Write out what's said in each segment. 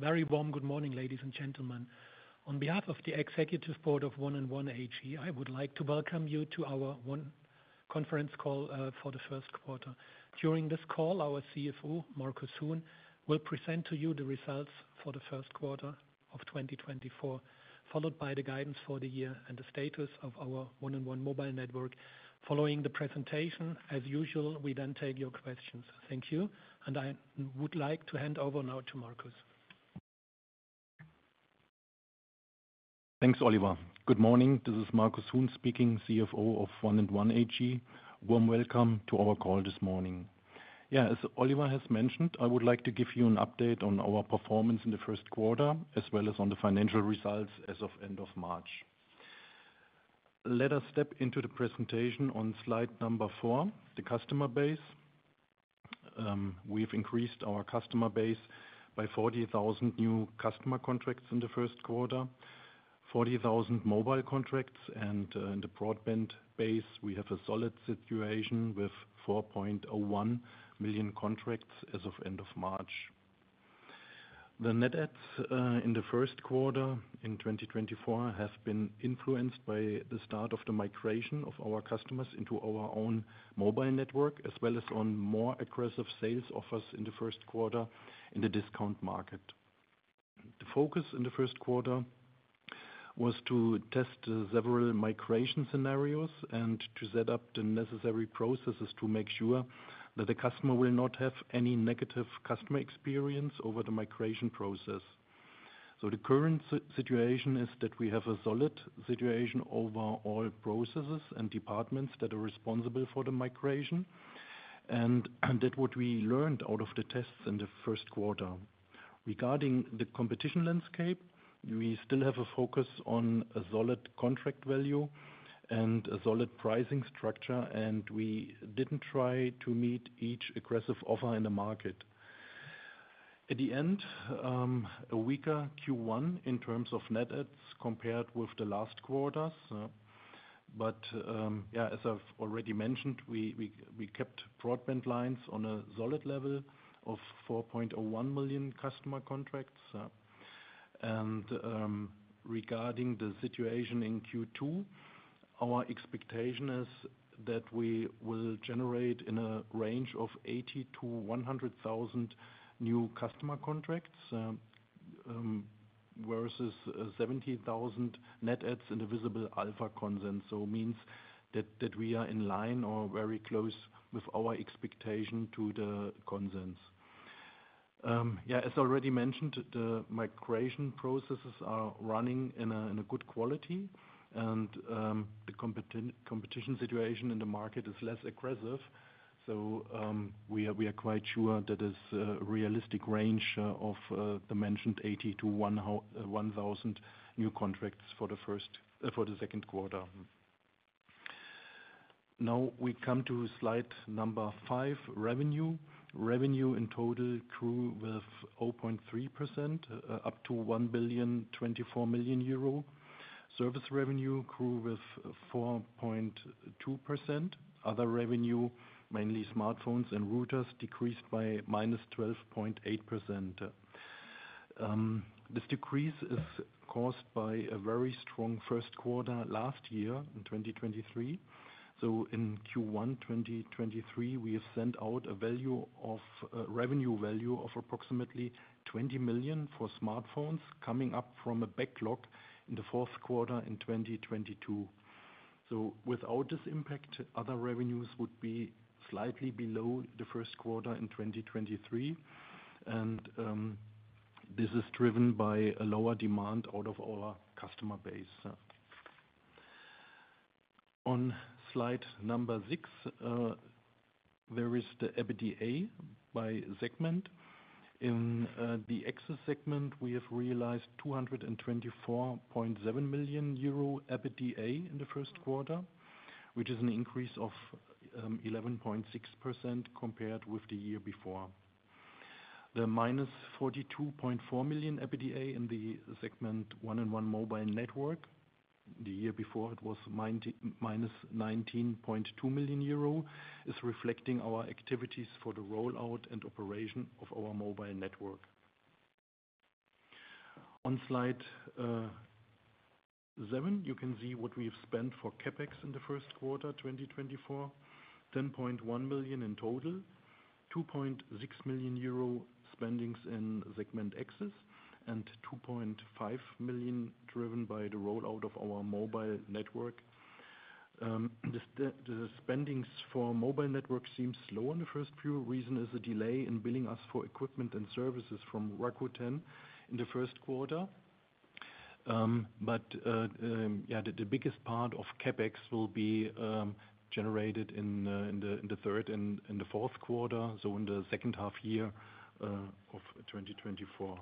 Very warm good morning, ladies and gentlemen. On behalf of the Executive Board of 1&1 AG, I would like to welcome you to our Q1 conference call for the first quarter. During this call, our CFO, Markus Huhn, will present to you the results for the first quarter of 2024, followed by the guidance for the year and the status of our 1&1 mobile network. Following the presentation, as usual, we then take your questions. Thank you, and I now would like to hand over now to Markus. Thanks, Oliver. Good morning, this is Markus Huhn speaking, CFO of 1&1 AG. Warm welcome to our call this morning. Yeah, as Oliver has mentioned, I would like to give you an update on our performance in the first quarter as well as on the financial results as of end of March. Let us step into the presentation on slide number 4, the customer base. We've increased our customer base by 40,000 new customer contracts in the first quarter, 40,000 mobile contracts, and, in the broadband base, we have a solid situation with 4.01 million contracts as of end of March. The net adds, in the first quarter in 2024 have been influenced by the start of the migration of our customers into our own mobile network as well as on more aggressive sales offers in the first quarter in the discount market. The focus in the first quarter was to test several migration scenarios and to set up the necessary processes to make sure that the customer will not have any negative customer experience over the migration process. So the current situation is that we have a solid situation over all processes and departments that are responsible for the migration, and that what we learned out of the tests in the first quarter. Regarding the competition landscape, we still have a focus on a solid contract value and a solid pricing structure, and we didn't try to meet each aggressive offer in the market. At the end, a weaker Q1 in terms of net adds compared with the last quarters, but yeah, as I've already mentioned, we kept broadband lines on a solid level of 4.01 million customer contracts. Regarding the situation in Q2, our expectation is that we will generate in a range of 80,000-100,000 new customer contracts, versus 70,000 net adds in the Visible Alpha consensus. So it means that we are in line or very close with our expectation to the consensus. Yeah, as already mentioned, the migration processes are running in a good quality, and the competition situation in the market is less aggressive. So, we are quite sure that there's a realistic range of the mentioned 80,000-1,000 new contracts for the second quarter. Now we come to slide number 5, revenue. Revenue in total grew with 0.3%, up to 1.024 billion. Service revenue grew with 4.2%. Other revenue, mainly smartphones and routers, decreased by -12.8%. This decrease is caused by a very strong first quarter last year in 2023. So in Q1 2023, we have sent out a value of, revenue value of approximately 20 million for smartphones, coming up from a backlog in the fourth quarter in 2022. So without this impact, other revenues would be slightly below the first quarter in 2023. And, this is driven by a lower demand out of our customer base. On slide 6, there is the EBITDA by segment. In the Access segment, we have realized 224.7 million euro EBITDA in the first quarter, which is an increase of 11.6% compared with the year before. The minus 42.4 million EBITDA in the segment 1&1 mobile network, the year before it was minus 90 minus 19.2 million euro, is reflecting our activities for the rollout and operation of our mobile network. On slide seven, you can see what we have spent for CapEx in the first quarter 2024: 10.1 million in total, 2.6 million euro spendings in segment Access, and 2.5 million driven by the rollout of our mobile network. The spendings for mobile network seem slow in the first few. Reason is a delay in billing us for equipment and services from Rakuten in the first quarter. But yeah, the biggest part of CapEx will be generated in the third and fourth quarter, so in the second half year of 2024.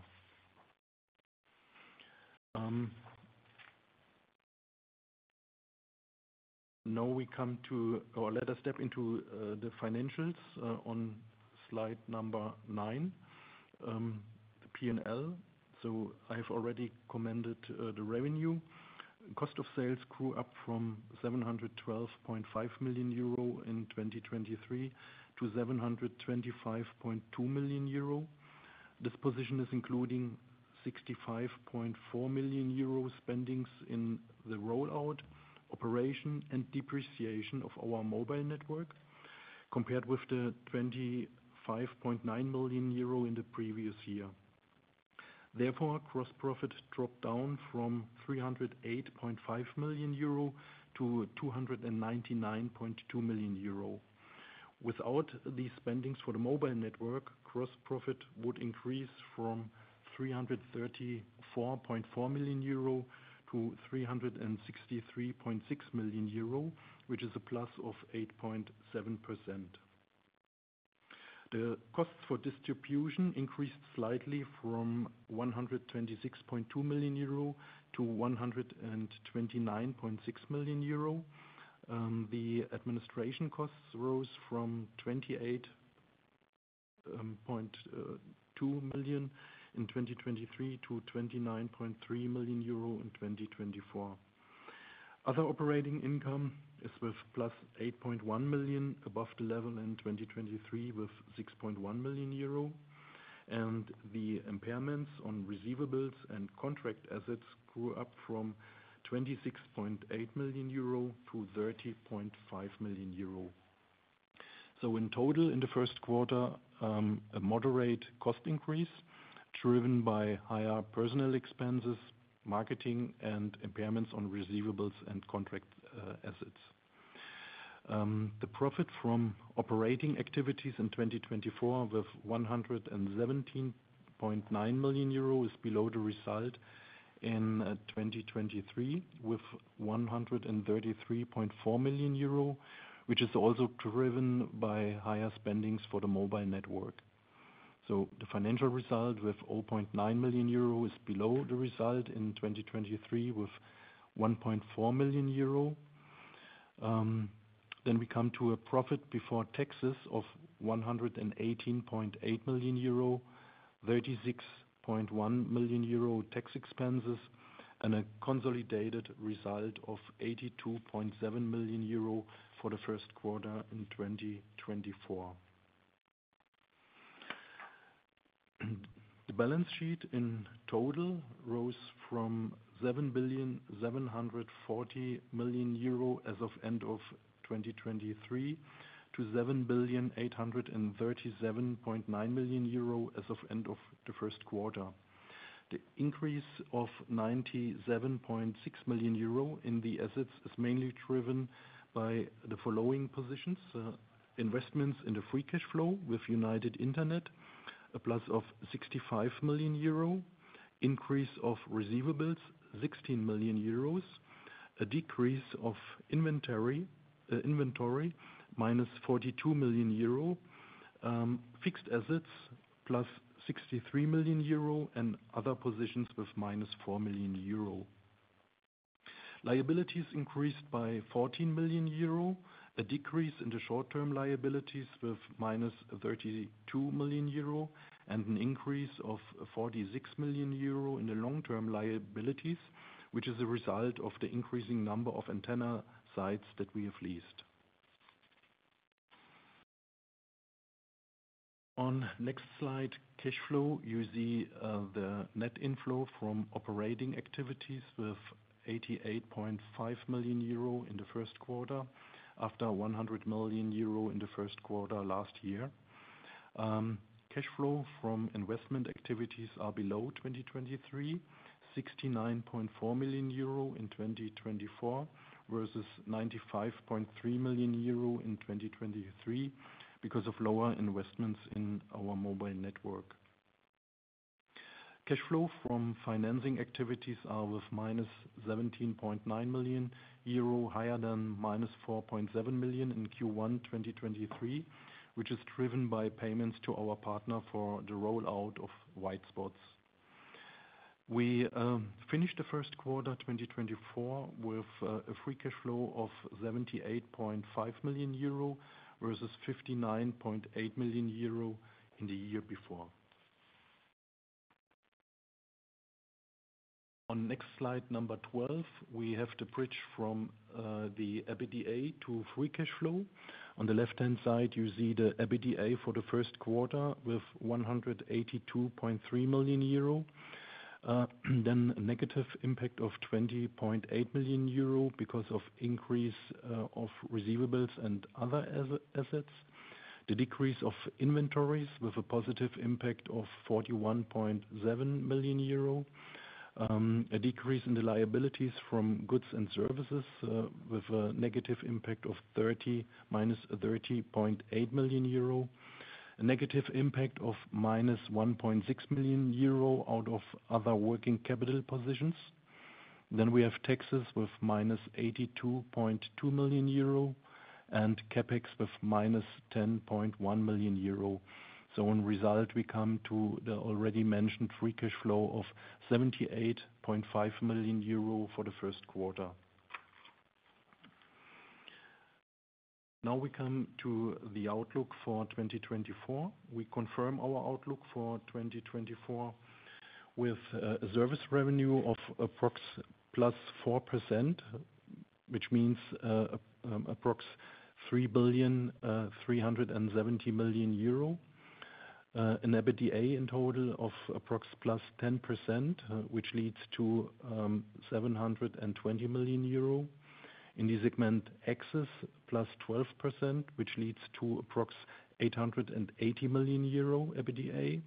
Now let us step into the financials on slide number nine, the P&L. So I have already commented on the revenue. Cost of sales grew from 712.5 million euro in 2023 to 725.2 million euro. Depreciation, including 65.4 million euro spending in the rollout, operation, and depreciation of our mobile network compared with the 25.9 million euro in the previous year. Therefore, gross profit dropped from 308.5 million euro to 299.2 million euro. Without these spending for the mobile network, gross profit would increase from 334.4 million euro to 363.6 million euro, which is a +8.7%. The costs for distribution increased slightly from 126.2 million euro to 129.6 million euro. The administration costs rose from 28.2 million in 2023 to 29.3 million euro in 2024. Other operating income is with +8.1 million above the level in 2023 with 6.1 million euro. The impairments on receivables and contract assets grew up from 26.8 million euro to 30.5 million euro. In total, in the first quarter, a moderate cost increase driven by higher personal expenses, marketing, and impairments on receivables and contract assets. The profit from operating activities in 2024 with 117.9 million euro is below the result in 2023 with 133.4 million euro, which is also driven by higher spending for the mobile network. The financial result with 0.9 million euro is below the result in 2023 with 1.4 million euro. Then we come to a profit before taxes of 118.8 million euro, 36.1 million euro tax expenses, and a consolidated result of 82.7 million euro for the first quarter in 2024. The balance sheet in total rose from 7,740,000,000 euro as of end of 2023 to 7,837.9 million euro as of end of the first quarter. The increase of 97.6 million euro in the assets is mainly driven by the following positions, investments in the free cash flow with United Internet, a plus of 65 million euro, increase of receivables 16 million euros, a decrease of inventory, inventory minus 42 million euro, fixed assets plus 63 million euro, and other positions with minus 4 million euro. Liabilities increased by 14 million euro, a decrease in the short-term liabilities with minus 32 million euro, and an increase of, 46 million euro in the long-term liabilities, which is a result of the increasing number of antenna sites that we have leased. On next slide, cash flow, you see, the net inflow from operating activities with 88.5 million euro in the first quarter after 100 million euro in the first quarter last year. Cash flow from investment activities are below 2023, 69.4 million euro in 2024 versus 95.3 million euro in 2023 because of lower investments in our mobile network. Cash flow from financing activities are with -17.9 million euro, higher than -4.7 million in Q1 2023, which is driven by payments to our partner for the rollout of white spots. We finished the first quarter 2024 with a free cash flow of 78.5 million euro versus 59.8 million euro in the year before. On next slide number 12, we have the bridge from the EBITDA to free cash flow. On the left-hand side, you see the EBITDA for the first quarter with 182.3 million euro, then a negative impact of 20.8 million euro because of increase of receivables and other assets, the decrease of inventories with a positive impact of 41.7 million euro, a decrease in the liabilities from goods and services, with a negative impact of minus 30.8 million euro, a negative impact of minus 1.6 million euro out of other working capital positions. Then we have taxes with minus 82.2 million euro and CapEx with minus 10.1 million euro. So in result, we come to the already mentioned free cash flow of 78.5 million euro for the first quarter. Now we come to the outlook for 2024. We confirm our outlook for 2024 with service revenue of approximately +4%, which means approximately 3,370 million euro, an EBITDA in total of approximately +10%, which leads to 720 million euros in the segment AXIS +12%, which leads to approximately 880 million euro EBITDA,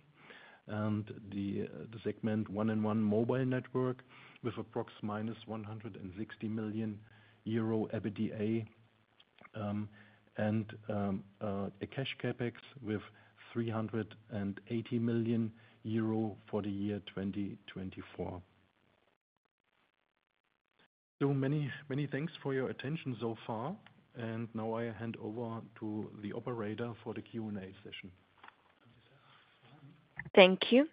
and the segment 1&1 mobile network with approximately -160 million euro EBITDA, and a cash CapEx with 380 million euro for the year 2024. So many, many thanks for your attention so far. And now I hand over to the operator for the Q&A session. Thank you.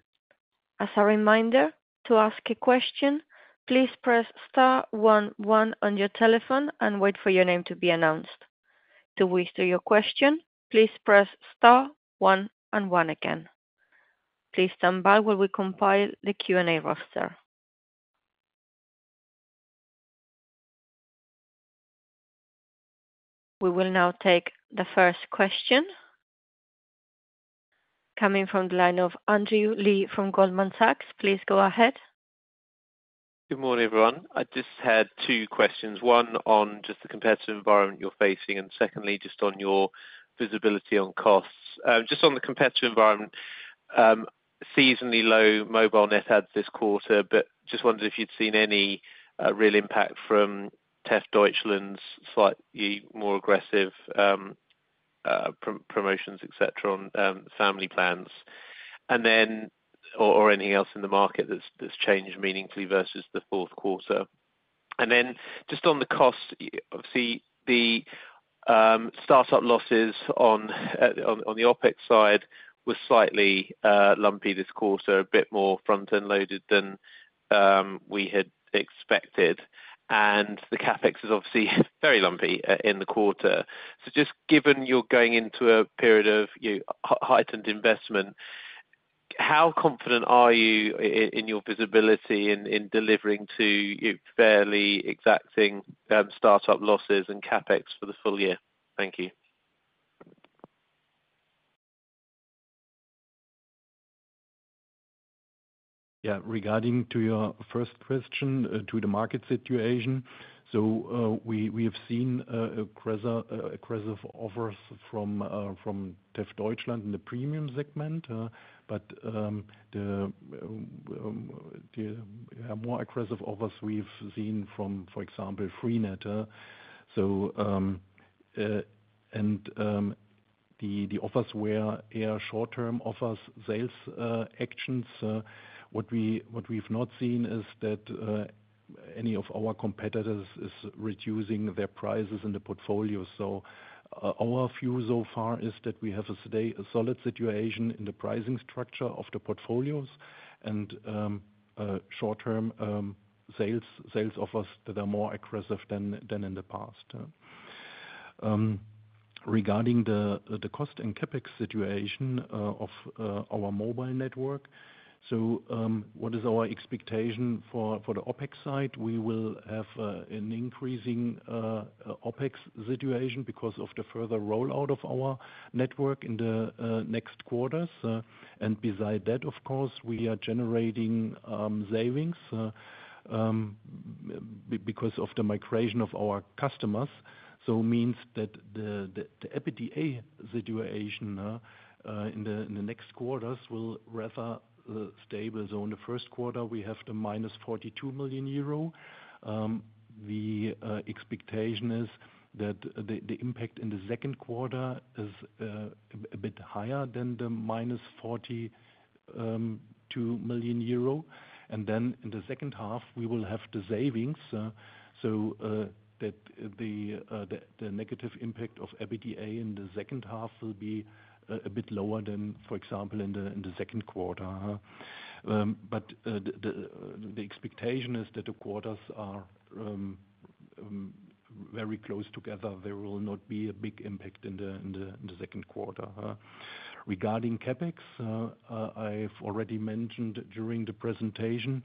As a reminder, to ask a question, please press star 11 on your telephone and wait for your name to be announced. To whisper your question, please press star one and one again. Please stand by while we compile the Q&A roster. We will now take the first question. Coming from the line of Andrew Lee from Goldman Sachs, please go ahead. Good morning, everyone. I just had two questions. One on just the competitive environment you're facing and secondly just on your visibility on costs. Just on the competitive environment, seasonally low mobile net adds this quarter, but just wondered if you'd seen any real impact from Telefónica Deutschland's slightly more aggressive promotions, etc., on family plans and then or anything else in the market that's changed meaningfully versus the fourth quarter. And then just on the costs, you obviously the startup losses on the OPEX side were slightly lumpy this quarter, a bit more front-end loaded than we had expected. And the CapEx is obviously very lumpy in the quarter. So just given you're going into a period of, you know, heightened investment, how confident are you in your visibility in, in delivering to, you know, fairly exacting, startup losses and CapEx for the full year? Thank you. Yeah. Regarding to your first question, to the market situation, so, we have seen, aggressive offers from, from Telefónica Deutschland in the premium segment, but, the, yeah, more aggressive offers we have seen from, for example, Freenet. So, and, the offers were earlier short-term offers, sales, actions. What we have not seen is that, any of our competitors is reducing their prices in the portfolio. So, our view so far is that we have a stable situation in the pricing structure of the portfolios and, short-term, sales offers that are more aggressive than in the past, regarding the cost and CapEx situation of our mobile network. So, what is our expectation for the OPEX side? We will have an increasing OPEX situation because of the further rollout of our network in the next quarters. Beside that, of course, we are generating savings because of the migration of our customers. So that means that the EBITDA situation in the next quarters will rather be stable. So in the first quarter, we have the -42 million euro. The expectation is that the impact in the second quarter is a bit higher than the -42 million euro. Then in the second half, we will have the savings, so that the negative impact of EBITDA in the second half will be a bit lower than, for example, in the second quarter, but the expectation is that the quarters are very close together. There will not be a big impact in the second quarter. Regarding CapEx, I've already mentioned during the presentation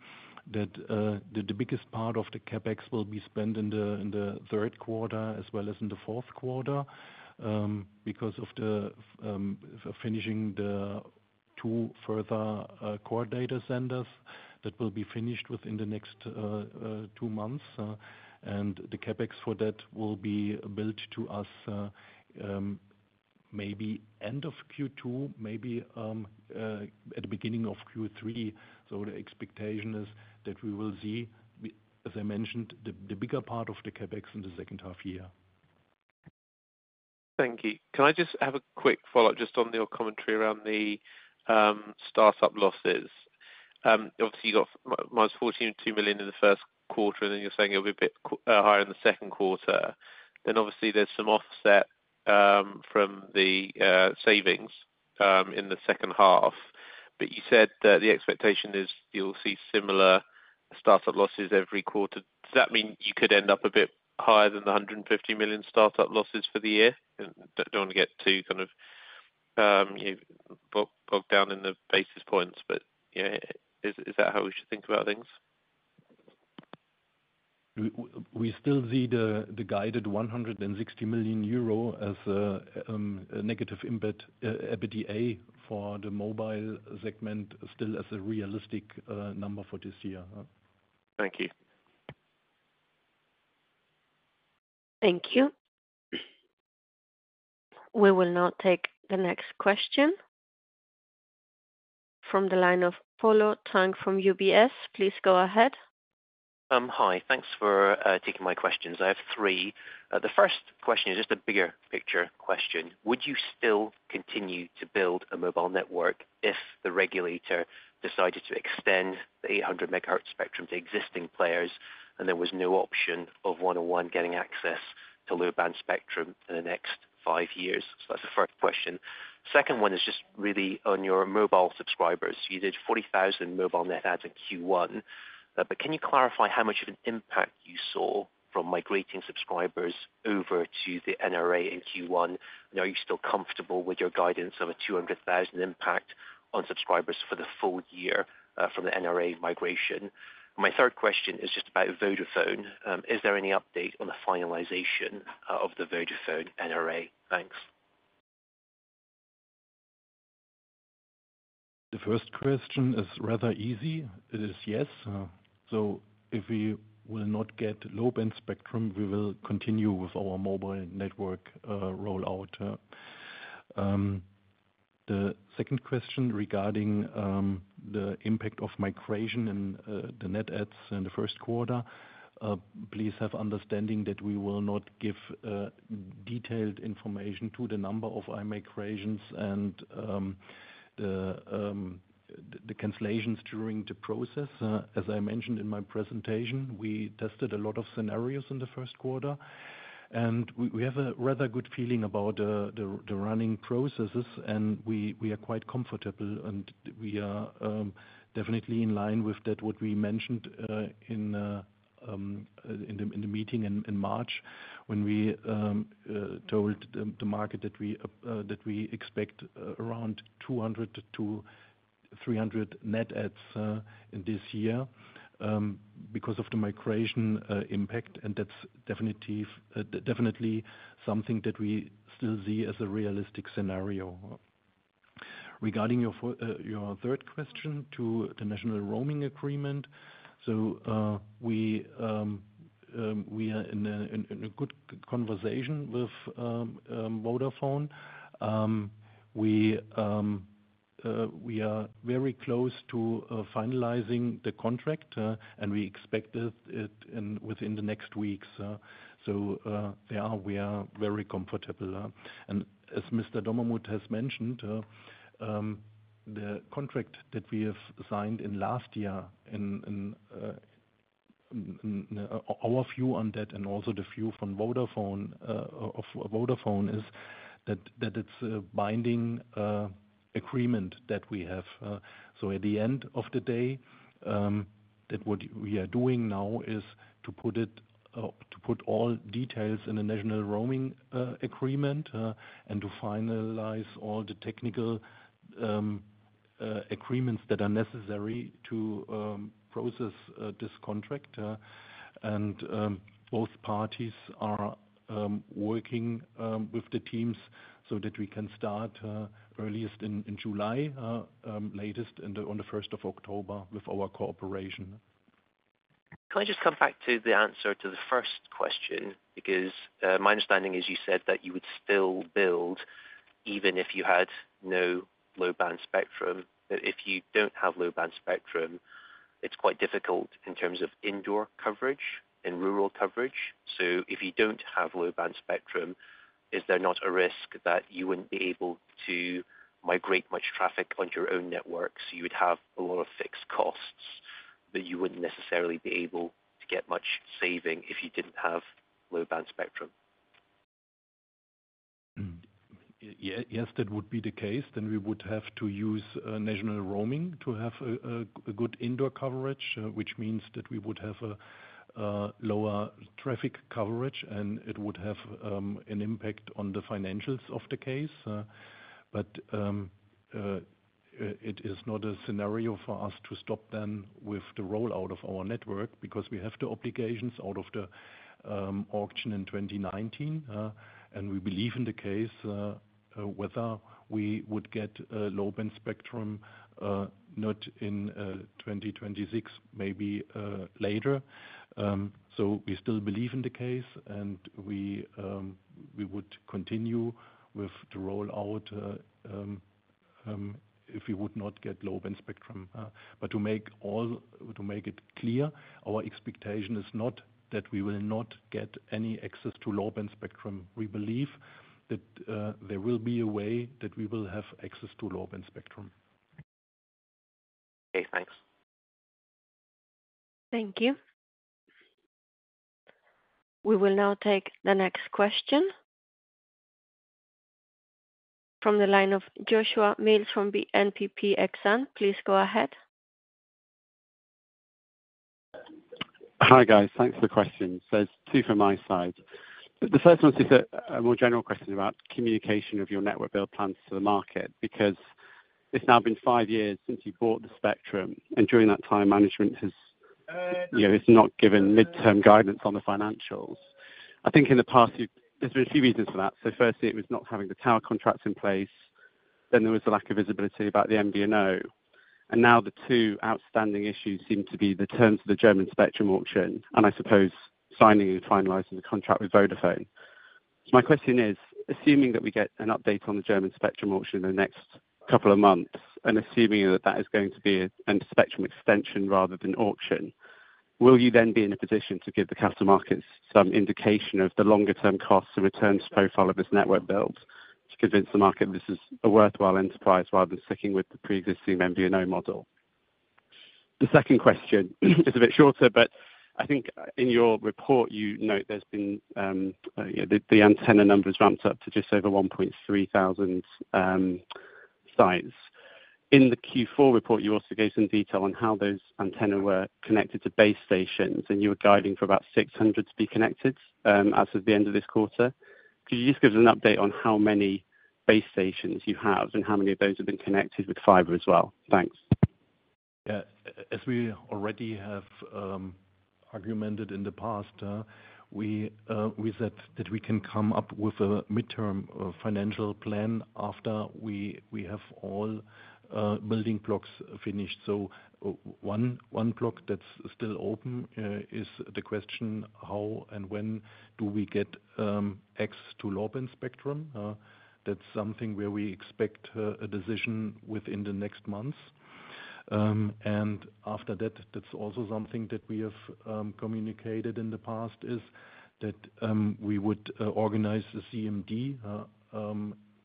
that the biggest part of the CapEx will be spent in the third quarter as well as in the fourth quarter, because of finishing the two further core data centers that will be finished within the next 2 months. The CapEx for that will be billed to us, maybe end of Q2, maybe at the beginning of Q3. So the expectation is that we will see, as I mentioned, the bigger part of the CapEx in the second half year. Thank you. Can I just have a quick follow-up just on your commentary around the startup losses? Obviously, you got minus 42 million in the first quarter, and then you're saying it'll be a bit higher in the second quarter. Then obviously, there's some offset from the savings in the second half. But you said that the expectation is you'll see similar startup losses every quarter. Does that mean you could end up a bit higher than the 150 million startup losses for the year? And don't want to get too kind of, you know, bog down in the basis points, but yeah, is that how we should think about things? We still see the guided 160 million euro as a negative impact, EBITDA for the mobile segment still as a realistic number for this year. Thank you. Thank you. We will now take the next question. From the line of Polo Tang from UBS, please go ahead. Hi. Thanks for taking my questions. I have three. The first question is just a bigger picture question. Would you still continue to build a mobile network if the regulator decided to extend the 800-megahertz spectrum to existing players and there was no option of 1&1 getting access to low-band spectrum in the next five years? So that's the first question. Second one is just really on your mobile subscribers. You did 40,000 mobile net adds in Q1, but can you clarify how much of an impact you saw from migrating subscribers over to the NRA in Q1? Are you still comfortable with your guidance of a 200,000 impact on subscribers for the full year, from the NRA migration? My third question is just about Vodafone. Is there any update on the finalization of the Vodafone NRA? Thanks. The first question is rather easy. It is yes. So if we will not get low-band spectrum, we will continue with our mobile network rollout. The second question regarding the impact of migration and the net adds in the first quarter, please have understanding that we will not give detailed information to the number of NRA migrations and the cancellations during the process. As I mentioned in my presentation, we tested a lot of scenarios in the first quarter. And we have a rather good feeling about the running processes, and we are quite comfortable, and we are definitely in line with that what we mentioned in the meeting in March when we told the market that we expect around 200-300 Net Adds in this year because of the migration impact. And that's definitely something that we still see as a realistic scenario. Regarding your third question to the National Roaming Agreement, so we are in a good conversation with Vodafone. We are very close to finalizing the contract, and we expect it within the next weeks. So we are very comfortable, and as Mr. Dommermuth has mentioned, the contract that we have signed last year, in our view on that and also the view from Vodafone is that it's a binding agreement that we have. So at the end of the day, what we are doing now is to put all details in the National Roaming Agreement, and to finalize all the technical agreements that are necessary to process this contract. And both parties are working with the teams so that we can start earliest in July, latest on the 1st of October with our cooperation. Can I just come back to the answer to the first question because my understanding is you said that you would still build even if you had no low-band spectrum. That if you don't have low-band spectrum, it's quite difficult in terms of indoor coverage and rural coverage. So if you don't have low-band spectrum, is there not a risk that you wouldn't be able to migrate much traffic onto your own network? So you would have a lot of fixed costs that you wouldn't necessarily be able to get much saving if you didn't have low-band spectrum. Y-yes, that would be the case. Then we would have to use a National Roaming to have a good indoor coverage, which means that we would have a lower traffic coverage, and it would have an impact on the financials of the case. It is not a scenario for us to stop then with the rollout of our network because we have the obligations out of the auction in 2019, and we believe in the case whether we would get a low-band spectrum not in 2026, maybe later. We still believe in the case, and we would continue with the rollout if we would not get low-band spectrum. To make it clear, our expectation is not that we will not get any access to low-band spectrum. We believe that there will be a way that we will have access to low-band spectrum. Okay. Thanks. Thank you. We will now take the next question. From the line of Joshua Mills from BNP Paribas Exane, please go ahead. Hi, guys. Thanks for the question. So there's two from my side. The first one is just a more general question about communication of your network build plans to the market because it's now been five years since you bought the spectrum, and during that time, management has, you know, not given midterm guidance on the financials. I think in the past, you've, there's been a few reasons for that. So firstly, it was not having the tower contracts in place. Then there was a lack of visibility about the MDVO. And now the two outstanding issues seem to be the terms of the German spectrum auction and, I suppose, signing and finalizing the contract with Vodafone. So my question is, assuming that we get an update on the German spectrum auction in the next couple of months and assuming that that is going to be a spectrum extension rather than auction, will you then be in a position to give the capital markets some indication of the longer-term costs and returns profile of this network build to convince the market this is a worthwhile enterprise rather than sticking with the pre-existing MDVO model? The second question is a bit shorter, but I think in your report, you note there's been, yeah, the antenna numbers ramped up to just over 1,300 sites. In the Q4 report, you also gave some detail on how those antenna were connected to base stations, and you were guiding for about 600 to be connected, as of the end of this quarter. Could you just give us an update on how many base stations you have and how many of those have been connected with fiber as well? Thanks. Yeah. As we already have mentioned in the past, we said that we can come up with a mid-term financial plan after we have all building blocks finished. So one block that's still open is the question how and when do we get access to low-band spectrum. That's something where we expect a decision within the next months. And after that, that's also something that we have communicated in the past is that we would organize the CMD.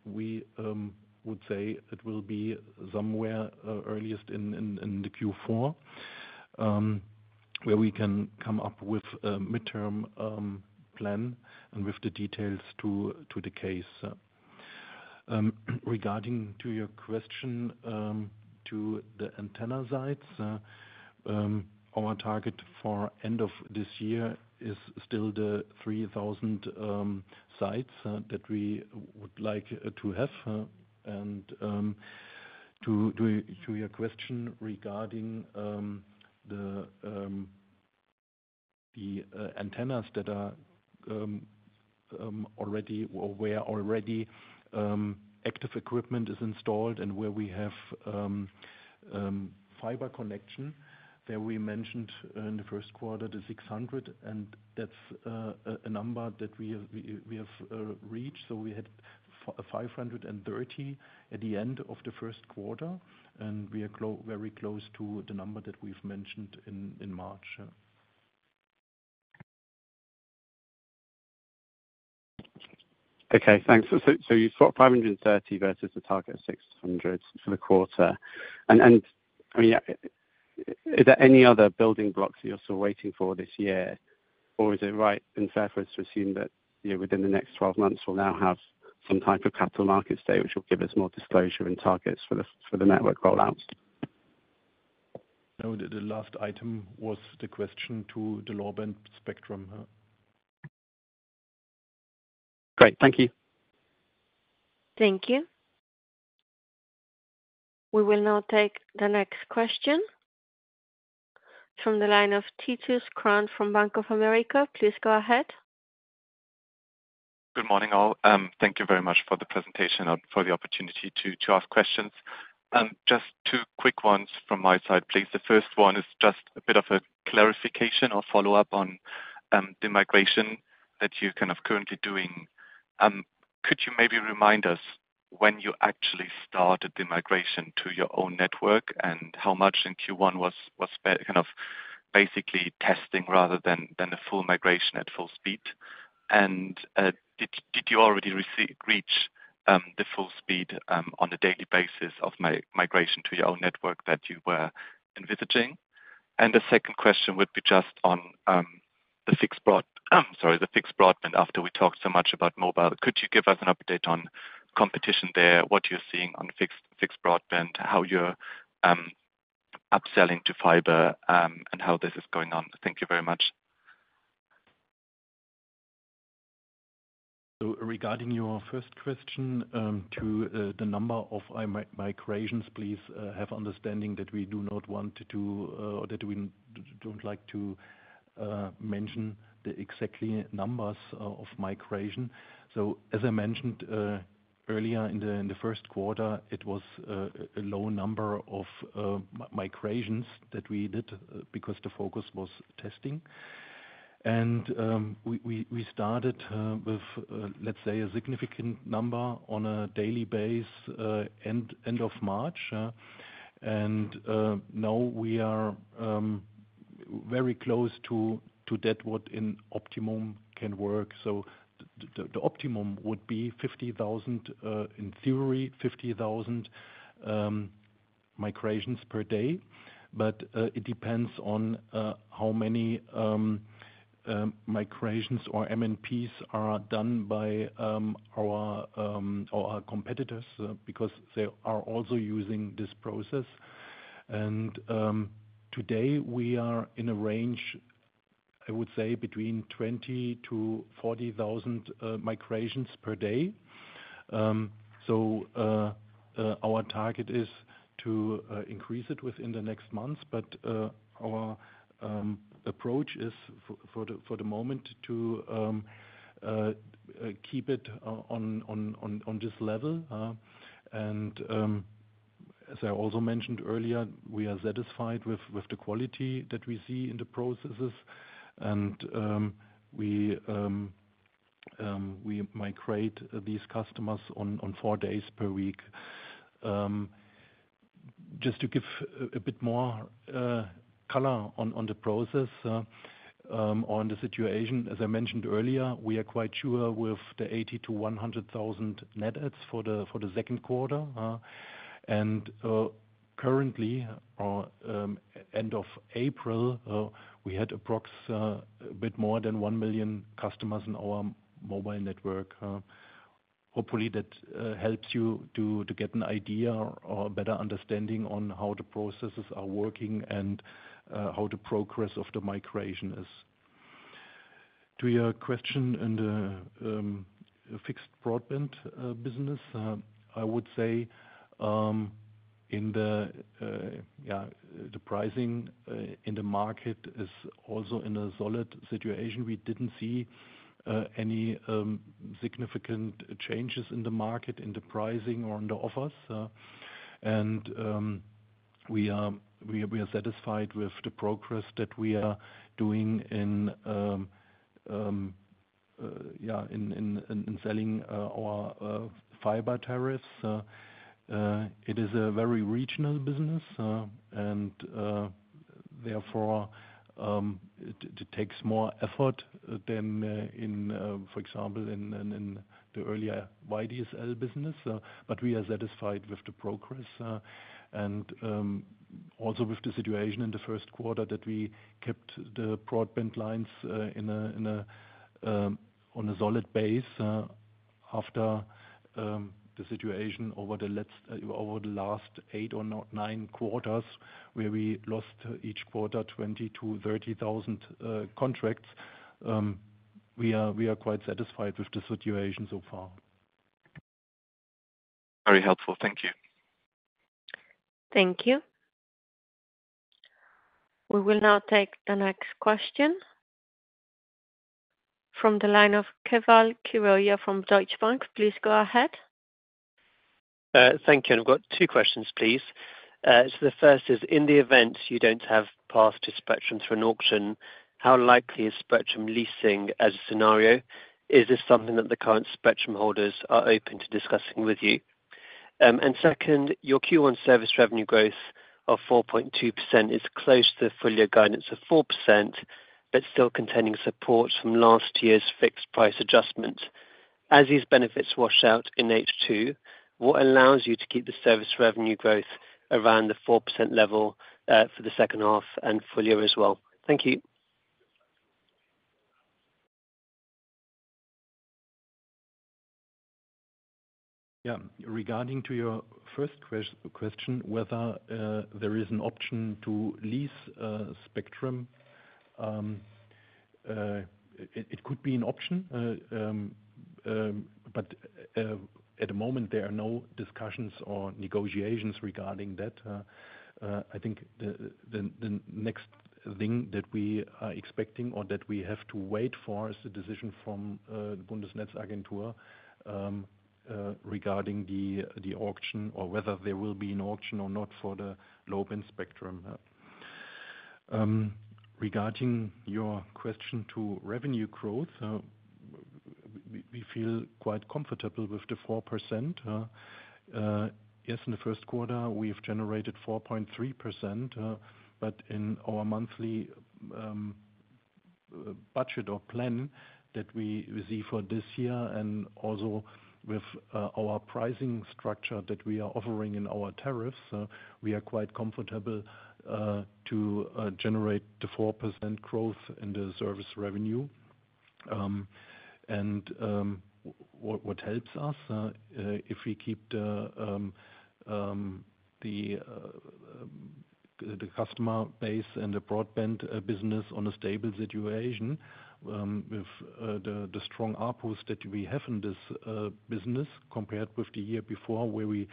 We would say it will be somewhere, earliest in the Q4, where we can come up with a mid-term plan and with the details to the case. Regarding to your question to the antenna sites, our target for end of this year is still the 3,000 sites that we would like to have. And to your question regarding the antennas that are already or where already active equipment is installed and where we have fiber connection, there we mentioned in the first quarter the 600, and that's a number that we have reached. So we had 530 at the end of the first quarter, and we are very close to the number that we've mentioned in March. Okay. Thanks. So you've got 530 versus the target of 600 for the quarter. I mean, is there any other building blocks that you're still waiting for this year, or is it right and fair for us to assume that, you know, within the next 12 months, we'll now have some type of capital markets day, which will give us more disclosure and targets for the network rollouts? No, the last item was the question to the Low-band spectrum. Great. Thank you. Thank you. We will now take the next question. From the line of Titus Krahn from Bank of America, please go ahead. Good morning, all. Thank you very much for the presentation or for the opportunity to ask questions. Just two quick ones from my side, please. The first one is just a bit of a clarification or follow-up on the migration that you're kind of currently doing. Could you maybe remind us when you actually started the migration to your own network and how much in Q1 was basically testing rather than the full migration at full speed? And did you already reach the full speed on a daily basis of migration to your own network that you were envisaging? And the second question would be just on the fixed broadband after we talked so much about mobile. Could you give us an update on competition there, what you're seeing on fixed broadband, how you're upselling to fiber, and how this is going on? Thank you very much. So regarding your first question, to the number of MNP migrations, please have understanding that we do not want to, or that we don't like to, mention the exact numbers of migration. So as I mentioned earlier in the first quarter, it was a low number of migrations that we did because the focus was testing. And we started with, let's say, a significant number on a daily basis, end of March. And now we are very close to that what in optimum can work. So the optimum would be 50,000, in theory, 50,000 migrations per day. But it depends on how many migrations or MNPs are done by our competitors, because they are also using this process. And today we are in a range, I would say, between 20,000-40,000 migrations per day. Our target is to increase it within the next months, but our approach is for the moment to keep it on this level. As I also mentioned earlier, we are satisfied with the quality that we see in the processes. We migrate these customers on four days per week. Just to give a bit more color on the process, on the situation, as I mentioned earlier, we are quite sure with the 80,000-100,000 Net Adds for the second quarter. Currently, end of April, we had approximately a bit more than 1 million customers in our mobile network. Hopefully, that helps you to get an idea or a better understanding on how the processes are working and how the progress of the migration is. To your question in the fixed broadband business, I would say, in the yeah, the pricing in the market is also in a solid situation. We didn't see any significant changes in the market, in the pricing or in the offers. We are satisfied with the progress that we are doing in yeah, in selling our fiber tariffs. It is a very regional business, and therefore it takes more effort than, for example, in the earlier VDSL business. We are satisfied with the progress, and also with the situation in the first quarter that we kept the broadband lines on a solid base, after the situation over the last eight or nine quarters where we lost each quarter 20,000-30,000 contracts. We are we are quite satisfied with the situation so far. Very helpful. Thank you. Thank you. We will now take the next question from the line of Keval Khiroya from Deutsche Bank. Please go ahead. Thank you. I've got two questions, please. The first is, in the event you don't have access to spectrum through an auction, how likely is spectrum leasing as a scenario? Is this something that the current spectrum holders are open to discussing with you? Second, your Q1 service revenue growth of 4.2% is close to the full-year guidance of 4% but still containing support from last year's fixed price adjustment. As these benefits wash out in H2, what allows you to keep the service revenue growth around the 4% level, for the second half and full year as well? Thank you. Yeah. Regarding to your first question, whether there is an option to lease spectrum, it could be an option, but at the moment, there are no discussions or negotiations regarding that. I think the next thing that we are expecting or that we have to wait for is the decision from the Bundesnetzagentur regarding the auction or whether there will be an auction or not for the low-band spectrum. Regarding your question to revenue growth, we feel quite comfortable with the 4%. Yes, in the first quarter, we have generated 4.3%, but in our monthly budget or plan that we receive for this year and also with our pricing structure that we are offering in our tariffs, we are quite comfortable to generate the 4% growth in the service revenue. What helps us, if we keep the customer base and the broadband business on a stable situation, with the strong upwards that we have in this business compared with the year before where we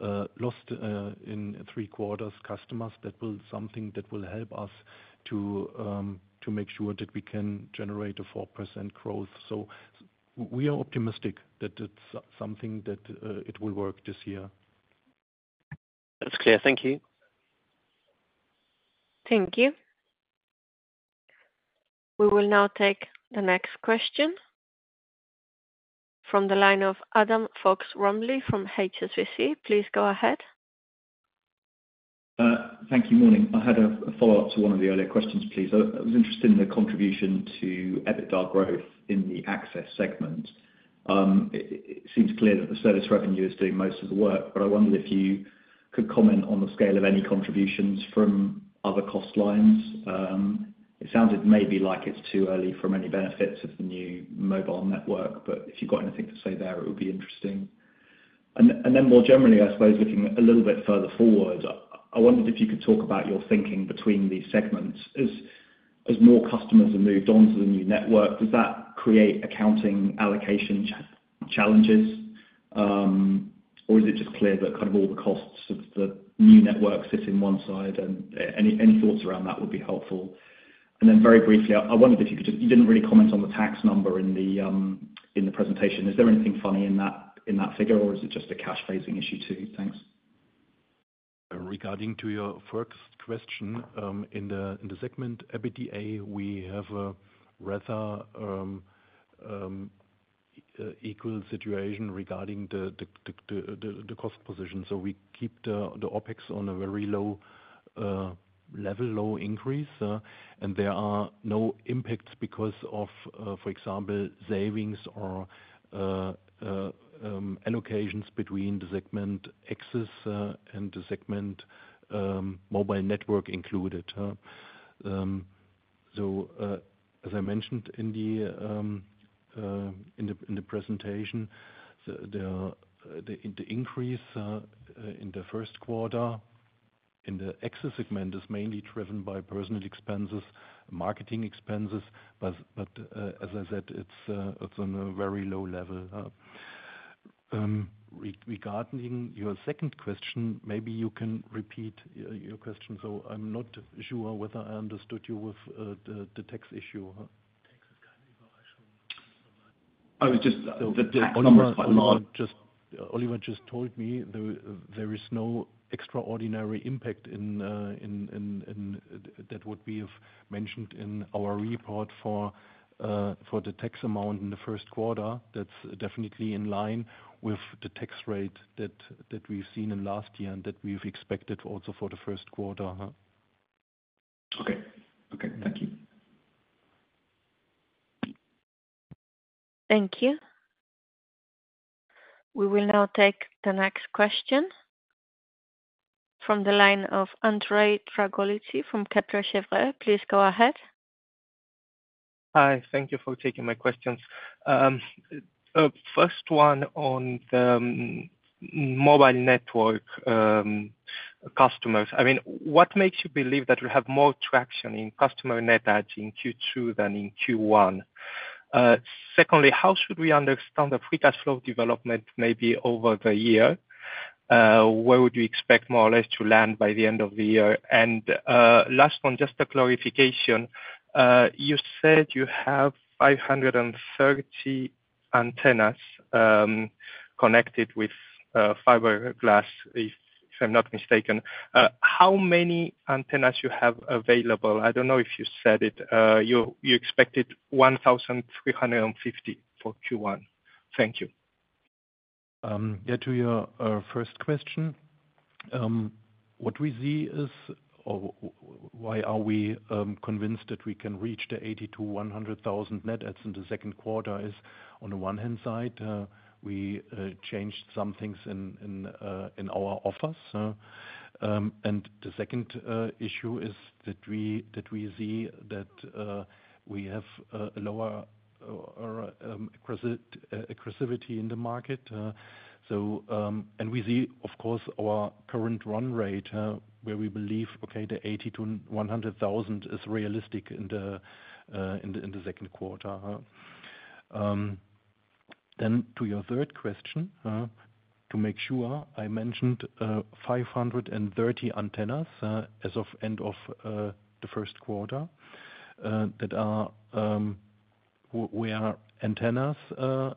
lost customers in three quarters, that will something that will help us to make sure that we can generate a 4% growth. So we are optimistic that it's something that it will work this year. That's clear. Thank you. Thank you. We will now take the next question. From the line of Adam Fox-Rumley from HSBC, please go ahead. Thank you. Morning. I had a follow-up to one of the earlier questions, please. I was interested in the contribution to EBITDA growth in the access segment. It seems clear that the service revenue is doing most of the work, but I wondered if you could comment on the scale of any contributions from other cost lines. It sounded maybe like it's too early for many benefits of the new mobile network, but if you've got anything to say there, it would be interesting. And then more generally, I suppose, looking a little bit further forward, I wondered if you could talk about your thinking between these segments. As more customers have moved on to the new network, does that create accounting allocation challenges, or is it just clear that kind of all the costs of the new network sit in one side, and any thoughts around that would be helpful? And then very briefly, I wondered if you could just—you didn't really comment on the tax number in the presentation. Is there anything funny in that figure, or is it just a cash phasing issue too? Thanks. Regarding your first question, in the segment EBITDA, we have a rather equal situation regarding the cost position. So we keep the OPEX on a very low level, low increase, and there are no impacts because of, for example, savings or allocations between the segment AXIS and the segment mobile network included, so, as I mentioned in the presentation, the increase in the first quarter in the AXIS segment is mainly driven by personal expenses, marketing expenses, but, as I said, it's on a very low level, regarding your second question, maybe you can repeat your question. So I'm not sure whether I understood you with the tax issue. I was just the tax number is quite large. Just Oliver told me there is no extraordinary impact in that would be mentioned in our report for the tax amount in the first quarter. That's definitely in line with the tax rate that, that we've seen in last year and that we've expected also for the first quarter. Okay. Okay. Thank you. Thank you. We will now take the next question. From the line of Andrei Dragolici from Kepler Cheuvreux, please go ahead. Hi. Thank you for taking my questions. First one on the mobile network, customers. I mean, what makes you believe that we have more traction in customer net adds in Q2 than in Q1? Secondly, how should we understand the free cash flow development maybe over the year? Where would you expect more or less to land by the end of the year? Last one, just a clarification. You said you have 530 antennas, connected with, fiberglass, if, if I'm not mistaken. How many antennas you have available? I don't know if you said it. You expected 1,350 for Q1. Thank you. Yeah, to your first question, what we see is—or why we are—convinced that we can reach the 80,000-100,000 net adds in the second quarter is, on the one hand side, we changed some things in our offers, and the second issue is that we see that we have a lower aggressivity in the market. So, and we see, of course, our current run rate, where we believe, okay, the 80,000-100,000 is realistic in the second quarter. Then, to your third question, to make sure, I mentioned 530 antennas as of end of the first quarter that are where antennas are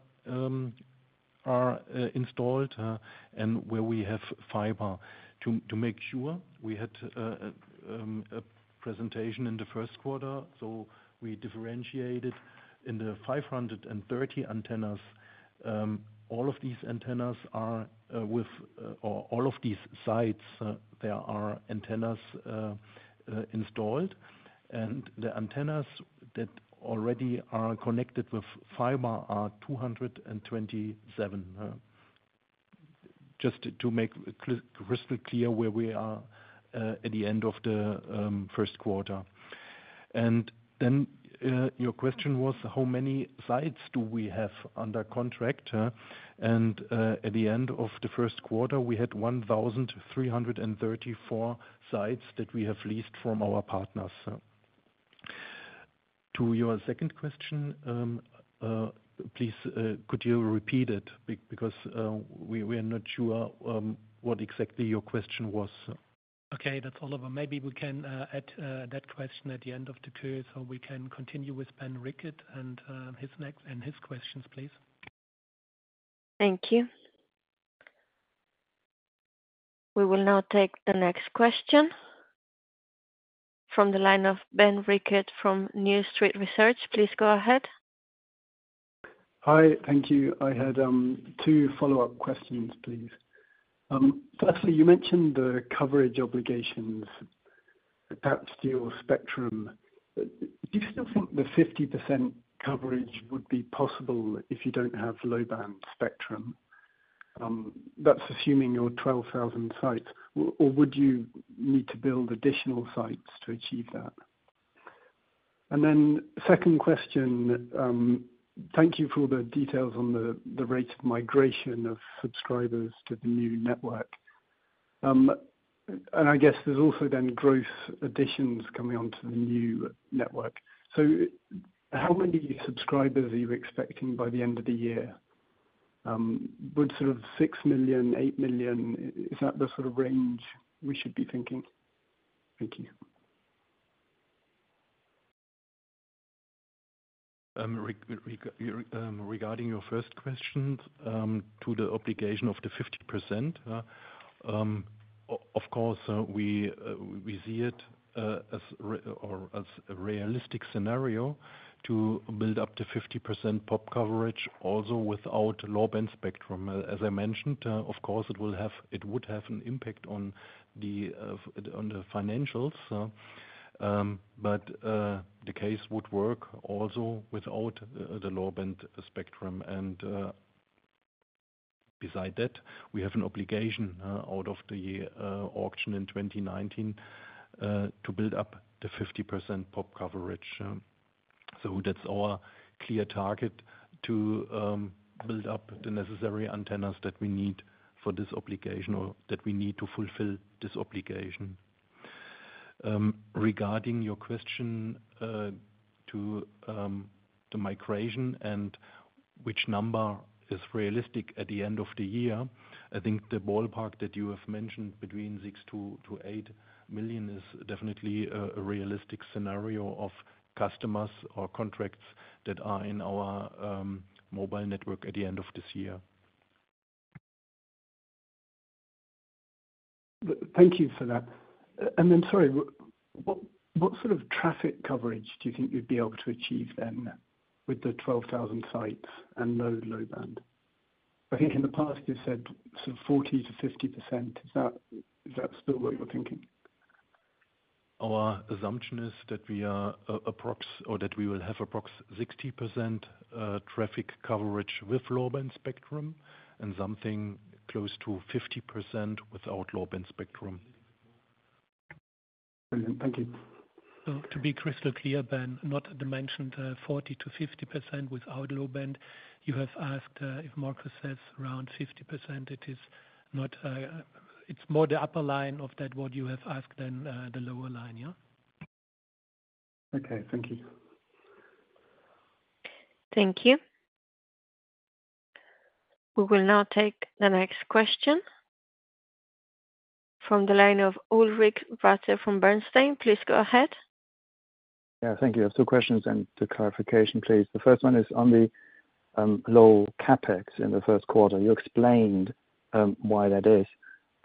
installed, and where we have fiber. To make sure, we had a presentation in the first quarter, so we differentiated in the 530 antennas. All of these antennas are, or all of these sites, there are antennas installed. And the antennas that already are connected with fiber are 227, just to make crystal clear where we are at the end of the first quarter. And then, your question was, how many sites do we have under contract? And at the end of the first quarter, we had 1,334 sites that we have leased from our partners. To your second question, please, could you repeat it because we are not sure what exactly your question was. Okay. That's Oliver. Maybe we can add that question at the end of the call so we can continue with Ben Ricket and his next and his questions, please. Thank you. We will now take the next question. From the line of Ben Rickett from New Street Research, please go ahead. Hi. Thank you. I had 2 follow-up questions, please. Firstly, you mentioned the coverage obligations, the 700 MHz spectrum. Do you still think the 50% coverage would be possible if you don't have low-band spectrum? That's assuming you're 12,000 sites, or would you need to build additional sites to achieve that? Then second question, thank you for all the details on the rate of migration of subscribers to the new network. I guess there's also then growth additions coming onto the new network. So how many subscribers are you expecting by the end of the year? Would sort of 6 million, 8 million, is that the sort of range we should be thinking? Thank you. Regarding your first question, to the obligation of the 50%, of course, we see it as a realistic scenario to build up the 50% pop coverage also without low-band spectrum. As I mentioned, of course, it would have an impact on the financials, but the case would work also without the low-band spectrum. Besides that, we have an obligation out of the auction in 2019 to build up the 50% pop coverage. So that's our clear target to build up the necessary antennas that we need for this obligation or that we need to fulfill this obligation. Regarding your question to the migration and which number is realistic at the end of the year, I think the ballpark that you have mentioned between 6-8 million is definitely a realistic scenario of customers or contracts that are in our mobile network at the end of this year. Thank you for that. Then sorry, what sort of traffic coverage do you think you'd be able to achieve then with the 12,000 sites and no low-band? I think in the past you said sort of 40%-50%. Is that still what you're thinking? Our assumption is that we will have approximately 60% traffic coverage with low-band spectrum and something close to 50% without low-band spectrum. Brilliant. Thank you. To be crystal clear, Ben, not the mentioned 40%-50% without low-band. You have asked if Markus says around 50%. It is not; it's more the upper line of that what you have asked than the lower line, yeah? Okay. Thank you. Thank you. We will now take the next question. From the line of Ulrich Rathe from Bernstein, please go ahead. Yeah. Thank you. I have two questions and a clarification, please. The first one is on the low CapEx in the first quarter. You explained why that is,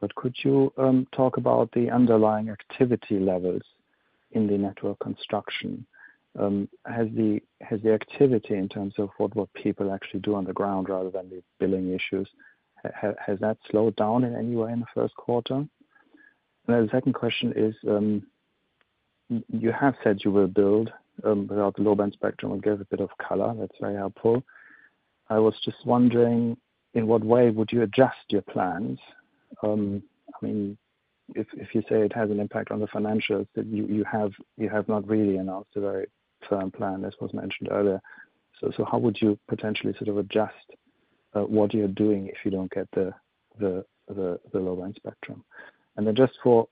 but could you talk about the underlying activity levels in the network construction? Has the activity in terms of what people actually do on the ground rather than the billing issues slowed down in any way in the first quarter? And then the second question is, you have said you will build without the low-band spectrum. It gives a bit of color. That's very helpful. I was just wondering, in what way would you adjust your plans? I mean, if you say it has an impact on the financials, that you have not really announced a very firm plan, as was mentioned earlier. So how would you potentially sort of adjust what you're doing if you don't get the low-band spectrum? And then just for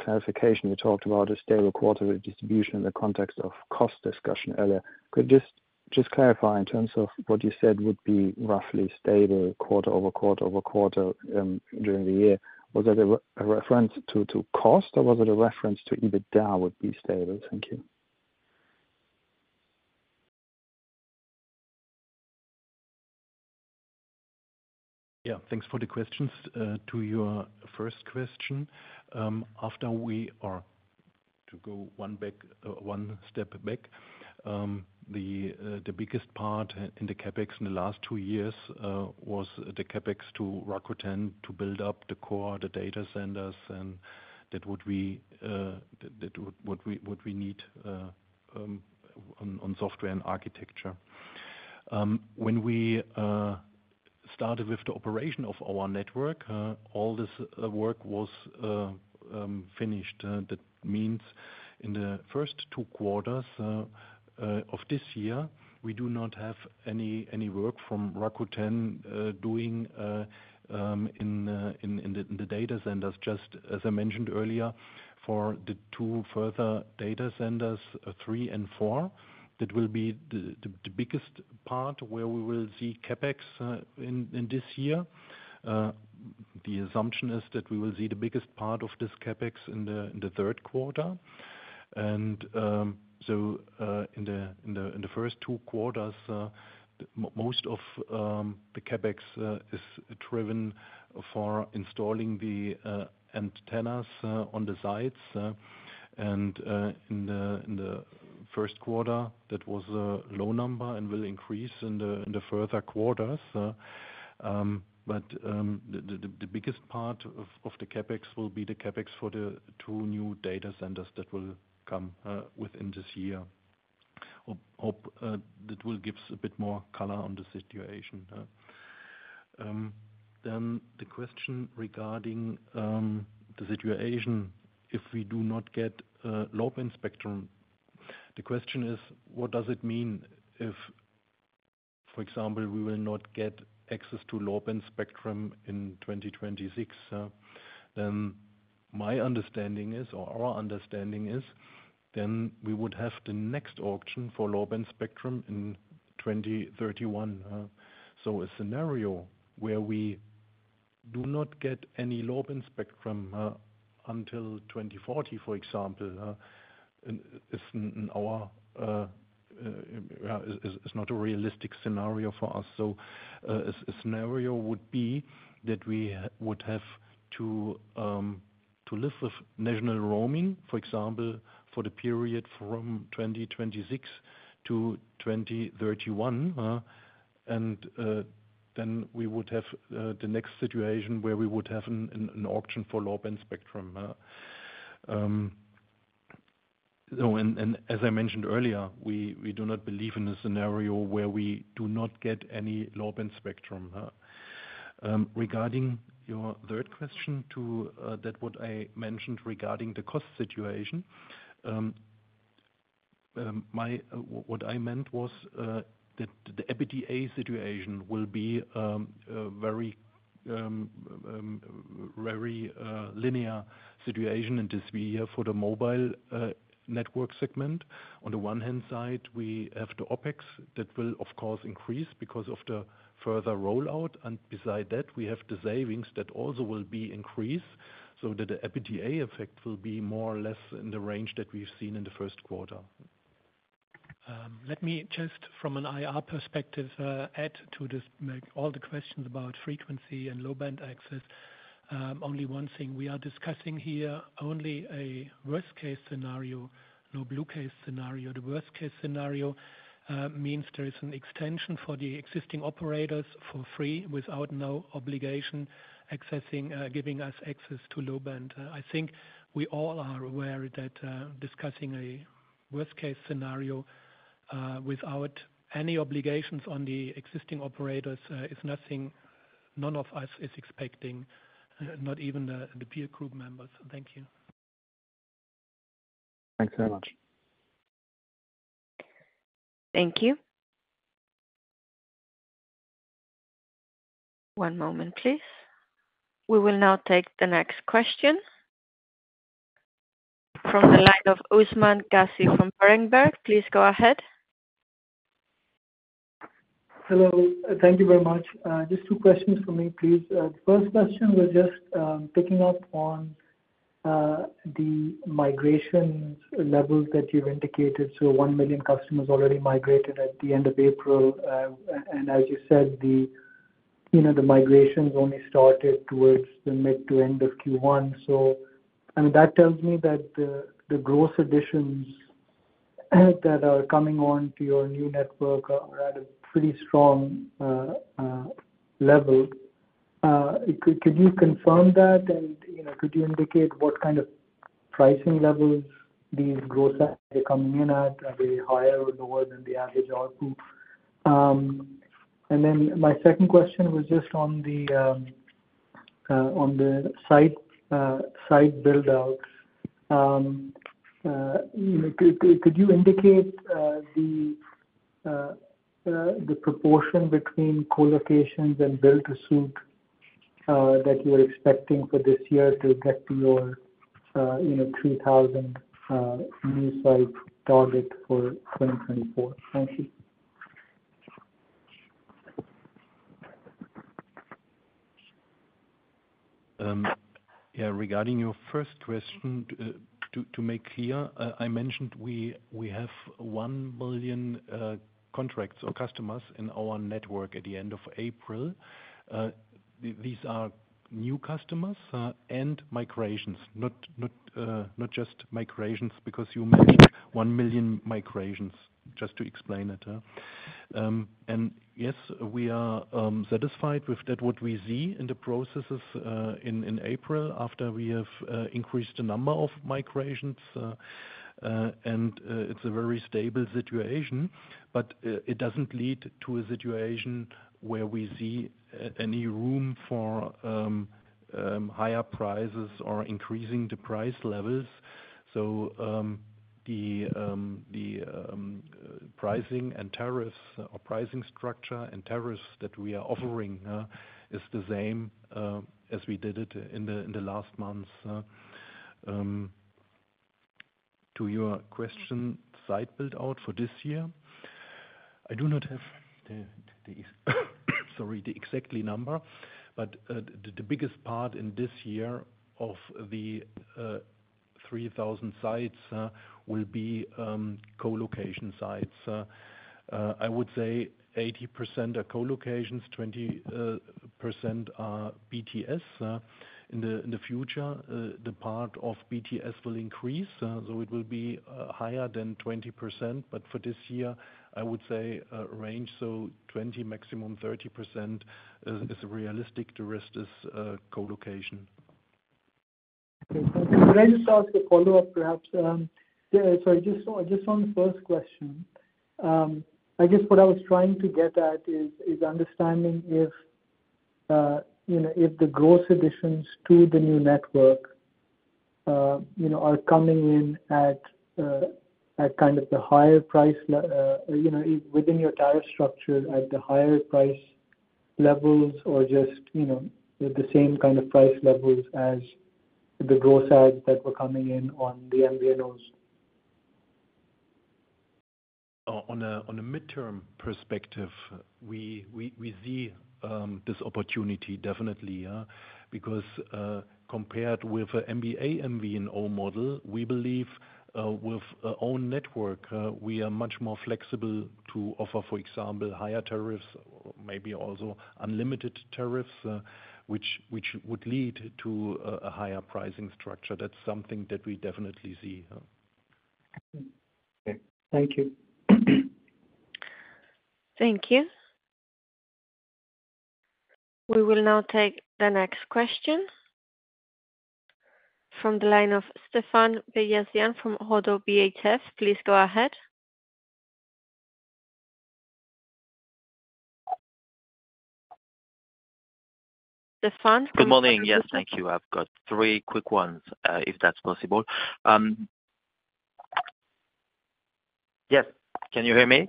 clarification, you talked about a stable quarterly distribution in the context of cost discussion earlier. Could you just clarify in terms of what you said would be roughly stable quarter over quarter over quarter during the year? Was that a reference to cost, or was it a reference to EBITDA would be stable? Thank you. Yeah. Thanks for the questions. To your first question, to go one step back, the biggest part in the CapEx in the last two years was the CapEx to Rakuten to build up the core, the data centers, and that would be what we need on software and architecture. When we started with the operation of our network, all this work was finished. That means in the first two quarters of this year, we do not have any work from Rakuten doing in the data centers. Just as I mentioned earlier, for the two further data centers, three and four, that will be the biggest part where we will see CapEx in this year. The assumption is that we will see the biggest part of this CapEx in the third quarter. So, in the first two quarters, most of the CapEx is driven for installing the antennas on the sites. And in the first quarter, that was a low number and will increase in the further quarters, but the biggest part of the CapEx will be the CapEx for the two new data centers that will come within this year. I hope that will give us a bit more color on the situation. Then the question regarding the situation if we do not get low-band spectrum. The question is, what does it mean if, for example, we will not get access to low-band spectrum in 2026. Then my understanding is, or our understanding is, then we would have the next auction for low-band spectrum in 2031. So a scenario where we do not get any low-band spectrum until 2040, for example, isn't in our, yeah, is not a realistic scenario for us. So, a scenario would be that we would have to live with national roaming, for example, for the period from 2026 to 2031. And then we would have the next situation where we would have an auction for low-band spectrum. So, as I mentioned earlier, we do not believe in a scenario where we do not get any low-band spectrum. Regarding your third question, that what I mentioned regarding the cost situation, what I meant was that the EBITDA situation will be a very, very linear situation in this year for the mobile network segment. On the one hand side, we have the OPEX that will of course increase because of the further rollout. Besides that, we have the savings that also will be increased so that the EBITDA effect will be more or less in the range that we've seen in the first quarter. Let me just from an IR perspective, add to this all the questions about frequency and low-band access. Only one thing. We are discussing here only a worst-case scenario, no blue-case scenario. The worst-case scenario means there is an extension for the existing operators for free without no obligation accessing, giving us access to low-band. I think we all are aware that, discussing a worst-case scenario, without any obligations on the existing operators, is nothing none of us is expecting, not even the, the peer group members. Thank you. Thanks very much. Thank you. One moment, please. We will now take the next question. From the line of Usman Ghazi from Berenberg, please go ahead. Hello. Thank you very much. Just two questions for me, please. The first question was just, picking up on, the migration levels that you've indicated. So, 1 million customers already migrated at the end of April. And as you said, the, you know, the migrations only started towards the mid to end of Q1. So, I mean, that tells me that the growth additions that are coming onto your new network are at a pretty strong level. Could you confirm that? And, you know, could you indicate what kind of pricing levels these growths are coming in at? Are they higher or lower than the average output? And then my second question was just on the site buildout. You know, could you indicate the proportion between colocations and build-to-suit that you were expecting for this year to get to your, you know, 3,000 new site target for 2024? Thank you. Yeah. Regarding your first question, to make clear, I mentioned we have 1 million contracts or customers in our network at the end of April. These are new customers and migrations, not just migrations because you mentioned 1 million migrations, just to explain it, and yes, we are satisfied with that what we see in the processes in April after we have increased the number of migrations, and it's a very stable situation. But it doesn't lead to a situation where we see any room for higher prices or increasing the price levels. So, the pricing and tariffs or pricing structure and tariffs that we are offering is the same as we did it in the last months. To your question, site buildout for this year, I do not have the sorry, the exact number. But the biggest part in this year of the 3,000 sites will be colocation sites. I would say 80% are colocations, 20% are BTS in the future. The part of BTS will increase, so it will be higher than 20%. But for this year, I would say a range so 20%-30% is realistic. The rest is colocation. Okay. Thank you. And then just ask a follow-up, perhaps. Sorry, just on just on the first question. I guess what I was trying to get at is understanding if, you know, if the growth additions to the new network, you know, are coming in at kind of the higher price level you know, within your tariff structure at the higher price levels or just, you know, the same kind of price levels as the growth adds that were coming in on the MVNOs? On a mid-term perspective, we see this opportunity definitely, because compared with an MBA MVNO model, we believe with our own network we are much more flexible to offer, for example, higher tariffs, maybe also unlimited tariffs, which would lead to a higher pricing structure. That's something that we definitely see. Okay. Thank you. Thank you. We will now take the next question. From the line of Stéphane Beyazian from ODDO BHF, please go ahead. Stéphane. Good morning. Yes. Thank you. I've got three quick ones, if that's possible. Yes. Can you hear me?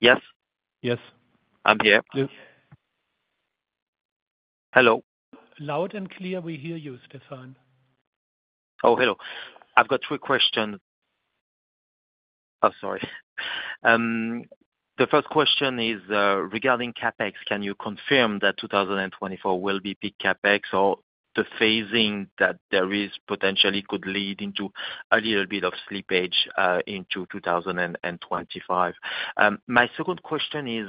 Yes. Yes. I'm here. Yes. Hello. Loud and clear. We hear you, Stéphane. Oh, hello. I've got three questions. Oh, sorry. The first question is, regarding CapEx, can you confirm that 2024 will be peak CapEx or the phasing that there is potentially could lead into a little bit of slippage, into 2025? My second question is,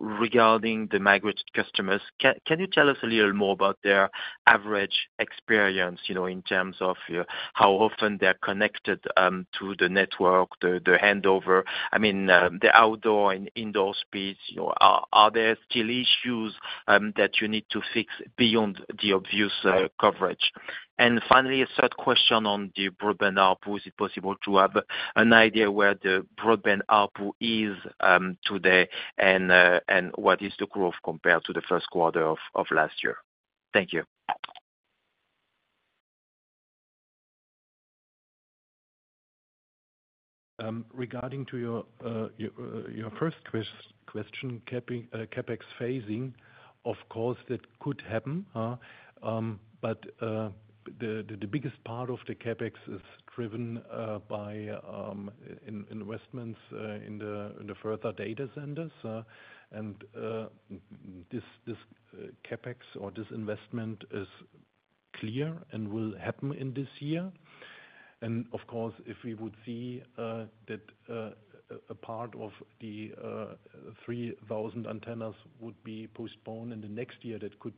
regarding the migrated customers. Can you tell us a little more about their average experience, you know, in terms of, how often they're connected, to the network, the handover? I mean, the outdoor and indoor speeds, you know, are there still issues, that you need to fix beyond the obvious, coverage? And finally, a third question on the broadband output. Is it possible to have an idea where the broadband output is, today and what is the growth compared to the first quarter of last year? Thank you. Regarding your first question, CapEx phasing, of course, that could happen, but the biggest part of the CapEx is driven by investments in the further data centers. This CapEx or this investment is clear and will happen in this year. And, of course, if we would see that a part of the 3,000 antennas would be postponed in the next year, that could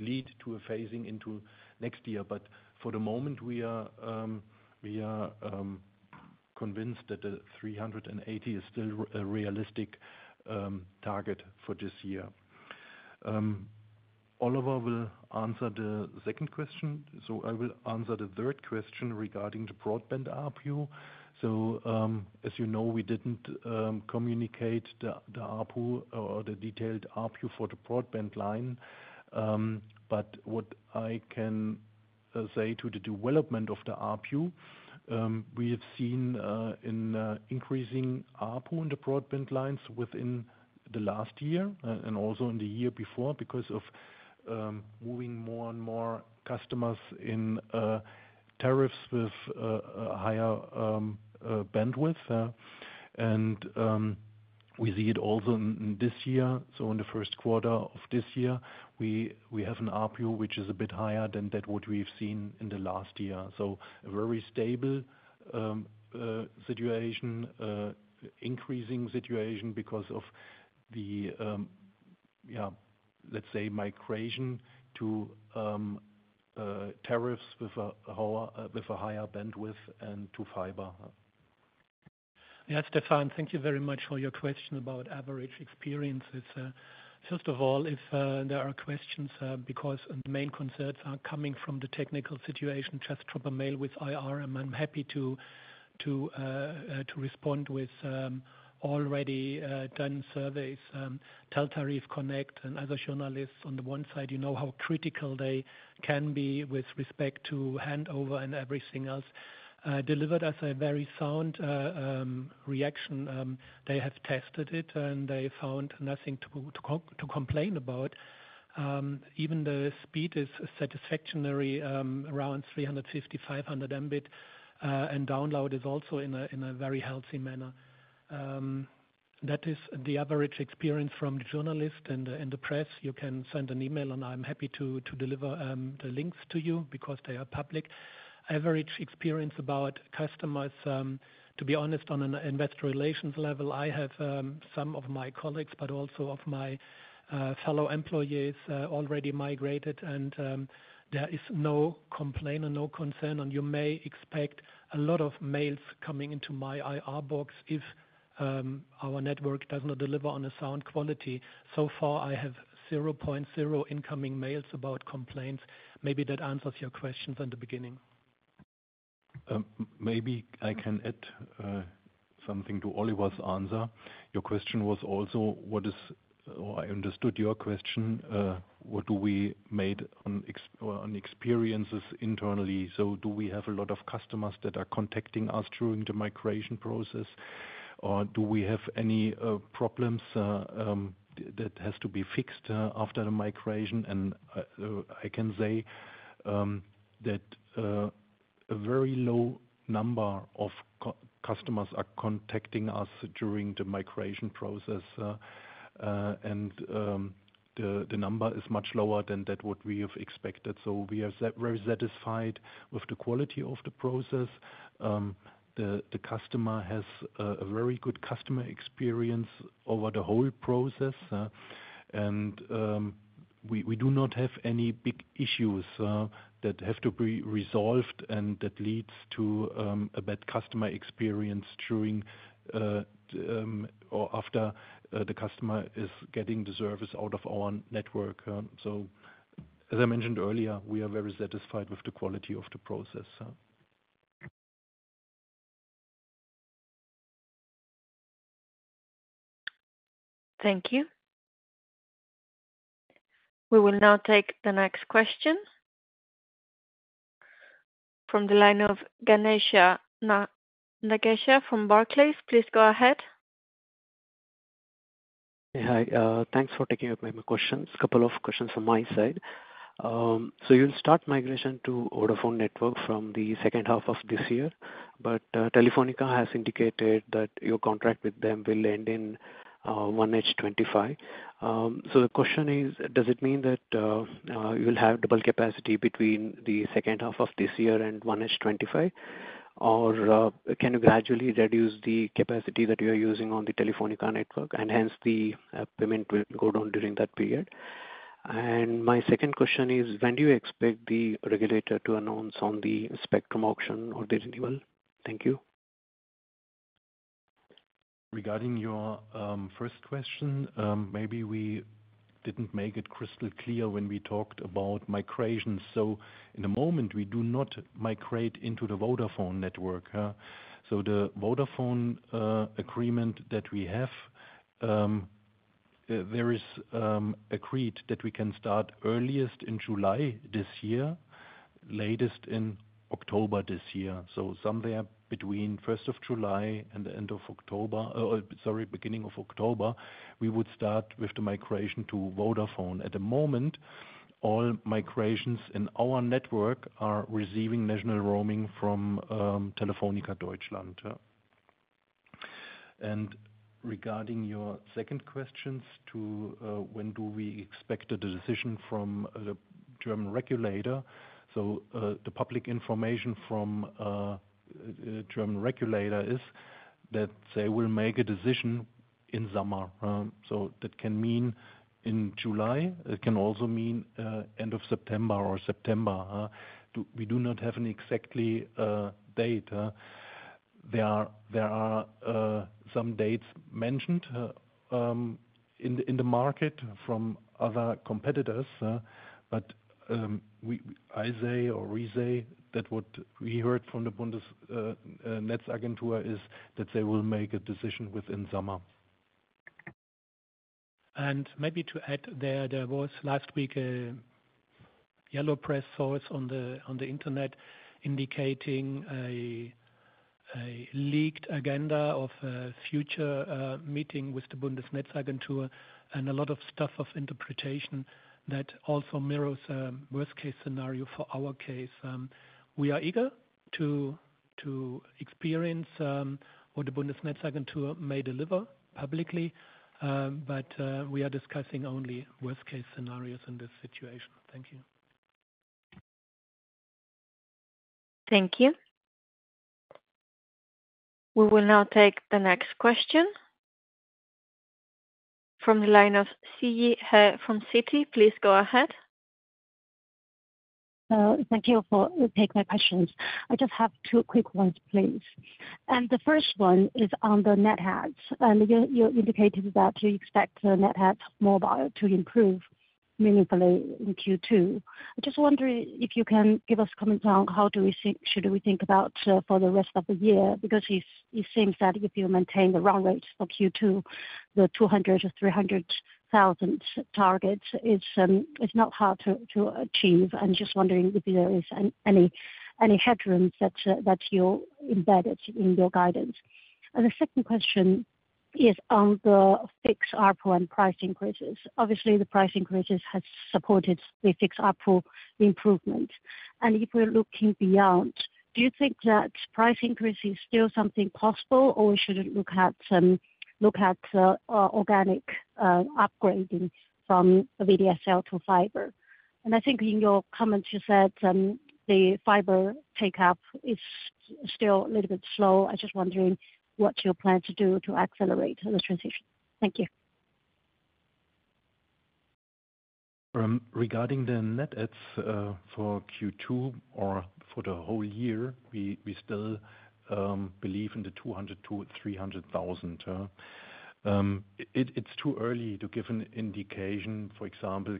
lead to a phasing into next year. But for the moment, we are convinced that the 380 is still a realistic target for this year. Oliver will answer the second question. So I will answer the third question regarding the broadband ARPU. So, as you know, we didn't communicate the ARPU or the detailed ARPU for the broadband line. But what I can say to the development of the ARPU, we have seen an increasing ARPU in the broadband lines within the last year and also in the year before because of moving more and more customers in tariffs with higher bandwidth. And we see it also in this year. So in the first quarter of this year, we have an ARPU which is a bit higher than that what we have seen in the last year. So a very stable situation, increasing situation because of the yeah, let's say, migration to tariffs with a higher bandwidth and to fiber. Yeah. Stéphane, thank you very much for your question about average experiences. First of all, if there are questions, because the main concerns are coming from the technical situation, just drop a mail with IR, and I'm happy to respond with already done surveys. teltarif, Connect and other journalists on the one side, you know how critical they can be with respect to handover and everything else. Delivered a very sound reaction. They have tested it, and they found nothing to complain about. Even the speed is satisfactory, around 350-500 Mbit, and download is also in a very healthy manner. That is the average experience from the journalist and the press. You can send an email, and I'm happy to deliver the links to you because they are public. Average experience about customers, to be honest, on an investor relations level, I have some of my colleagues, but also my fellow employees, already migrated. There is no complaint and no concern. You may expect a lot of mails coming into my IR box if our network does not deliver on a sound quality. So far, I have 0.0 incoming mails about complaints. Maybe that answers your questions in the beginning. Maybe I can add something to Oliver's answer. Your question was also, what is or I understood your question, what do we made on experiences internally? So do we have a lot of customers that are contacting us during the migration process? Or do we have any problems that has to be fixed after the migration? I can say that a very low number of customers are contacting us during the migration process, and the number is much lower than that what we have expected. We are very satisfied with the quality of the process. The customer has a very good customer experience over the whole process. We do not have any big issues that have to be resolved and that leads to a bad customer experience during or after the customer is getting the service out of our network. As I mentioned earlier, we are very satisfied with the quality of the process. Thank you. We will now take the next question. From the line of Ganesh Nagesha from Barclays, please go ahead. Yeah. Hi. Thanks for taking up my questions. Couple of questions from my side. So you'll start migration to the Vodafone network from the second half of this year. But Telefónica has indicated that your contract with them will end in 1H 2025. So the question is, does it mean that you'll have double capacity between the second half of this year and 1H 2025? Or can you gradually reduce the capacity that you are using on the Telefónica network, and hence the payment will go down during that period? And my second question is, when do you expect the regulator to announce on the spectrum auction or the renewal? Thank you. Regarding your first question, maybe we didn't make it crystal clear when we talked about migration. So in the moment, we do not migrate into the Vodafone network. So the Vodafone agreement that we have, there is agreed that we can start earliest in July this year, latest in October this year. So somewhere between 1st of July and the end of October or, sorry, beginning of October, we would start with the migration to Vodafone. At the moment, all migrations in our network are receiving national roaming from Telefónica Deutschland. Regarding your second questions to when do we expect the decision from the German regulator? So, the public information from the German regulator is that they will make a decision in summer. So that can mean in July. It can also mean end of September or September. We do not have an exact date. There are some dates mentioned in the market from other competitors. But we, I say or we say that what we heard from the Bundesnetzagentur is that they will make a decision within summer. Maybe to add there, there was last week a yellow press source on the internet indicating a leaked agenda of a future meeting with the Bundesnetzagentur and a lot of stuff of interpretation that also mirrors worst-case scenario for our case. We are eager to experience what the Bundesnetzagentur may deliver publicly, but we are discussing only worst-case scenarios in this situation. Thank you. Thank you. We will now take the next question. From the line of Siyi He from Citi, please go ahead. Thank you for taking my questions. I just have two quick ones, please. The first one is on the Net Adds. And you indicated that you expect Net Adds Mobile to improve meaningfully in Q2. I just wonder if you can give us comments on how we should think about for the rest of the year because it seems that if you maintain the run rate for Q2, the 200,000-300,000 target is not hard to achieve. And just wondering if there is any headroom that you embedded in your guidance. And the second question is on the fixed ARPU and price increases. Obviously, the price increases have supported the fixed ARPU improvement. And if we're looking beyond, do you think that price increase is still something possible, or we should look at organic upgrading from VDSL to fiber? And I think in your comments, you said the fiber take-up is still a little bit slow. I just wondering what you plan to do to accelerate the transition. Thank you. Regarding the Net Adds, for Q2 or for the whole year, we still believe in the 200,000-300,000. It's too early to give an indication. For example,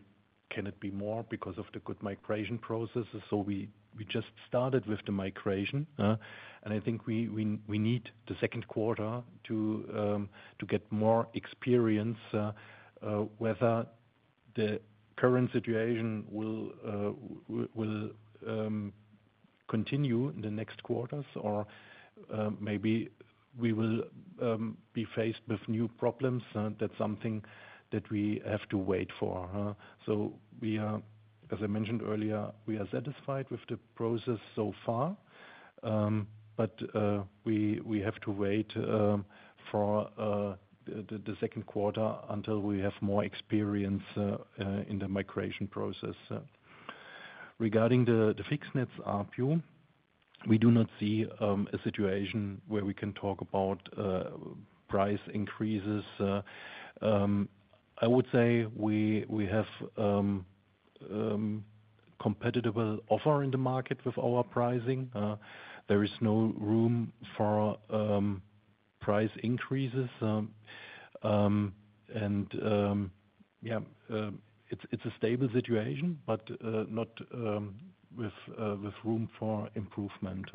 can it be more because of the good migration processes? So we just started with the migration. And I think we need the second quarter to get more experience, whether the current situation will continue in the next quarters or maybe we will be faced with new problems. That's something that we have to wait for. So we are, as I mentioned earlier, satisfied with the process so far. but we have to wait for the second quarter until we have more experience in the migration process. Regarding the Fixed Net ARPU, we do not see a situation where we can talk about price increases. I would say we have competitive offer in the market with our pricing. There is no room for price increases, and yeah, it's a stable situation, but not with room for improvement.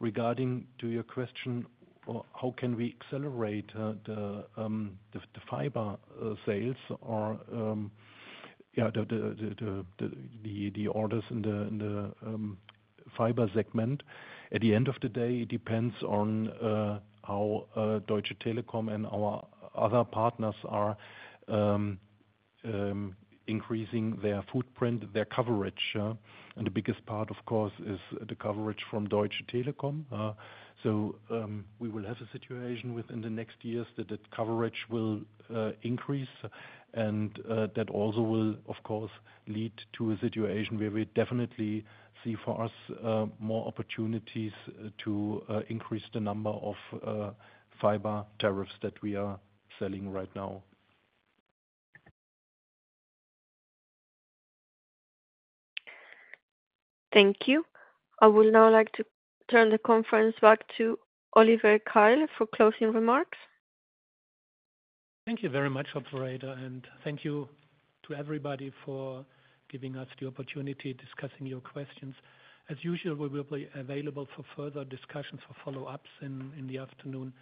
Regarding to your question, or how can we accelerate the fiber sales or yeah the orders in the fiber segment? At the end of the day, it depends on how Deutsche Telekom and our other partners are increasing their footprint, their coverage. And the biggest part, of course, is the coverage from Deutsche Telekom. So, we will have a situation within the next years that the coverage will increase. And that also will, of course, lead to a situation where we definitely see for us more opportunities to increase the number of fiber tariffs that we are selling right now. Thank you. I will now like to turn the conference back to Oliver Keil for closing remarks. Thank you very much, operator. And thank you to everybody for giving us the opportunity discussing your questions. As usual, we will be available for further discussions, for follow-ups in the afternoon.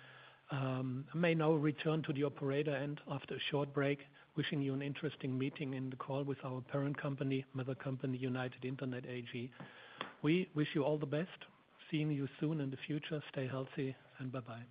I may now return to the operator and, after a short break, wishing you an interesting meeting in the call with our parent company, mother company, United Internet AG. We wish you all the best. Seeing you soon in the future. Stay healthy, and bye-bye.